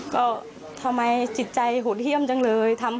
ก็ทำไมจิตใจโหดเยี่ยมจังเลย